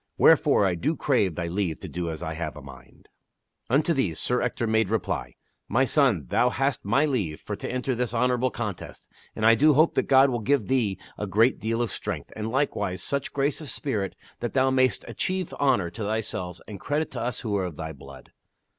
Wherefore I do crave thy leave to do as I have a mind." Unto these Sir Ector made reply :" My son, thou hast my leave for to enter this honorable contest, and I do hope that God will give thee a great deal of strength, and likewise such grace of spirit that thou mayst achieve honor to thyself and credit to us who are of thy blood."